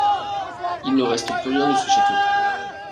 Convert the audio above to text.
Il ne reste plus rien de ce château.